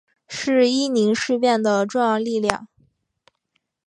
是伊宁事变的重要力量。